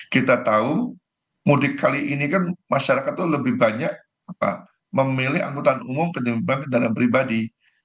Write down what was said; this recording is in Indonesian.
kita tahu mudik kali ini kan masyarakat itu lebih banyak memilih angkutan umum penyembang kendaraan pribadi